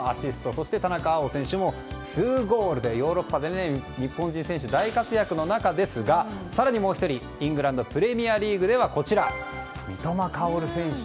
そして田中碧選手も２ゴールとヨーロッパで日本人選手が大活躍の中ですが更にもう１人、イングランドプレミアリーグでは三笘薫選手。